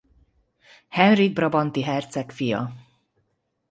Henrik brabanti herceg fia.